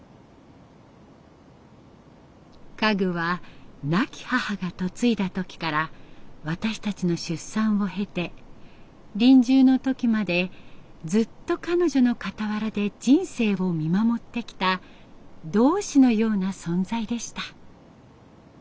「家具は亡き母が嫁いだ時から私達の出産を経て臨終の時までずっと彼女の片わらで人生を見守ってきた同志のような存在でした」。